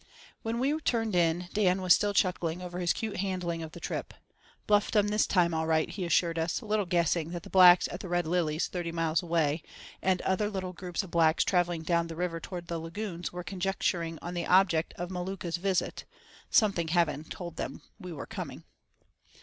When we turned in Dan was still chuckling over his cute handling of the trip. "Bluffed 'em this time all right," he assured us, little guessing that the blacks at the "Red Lilies," thirty miles away, and other little groups of blacks travelling down the river towards the lagoons were conjecturing on the object of the Maluka's visit—"something having told them we were coming."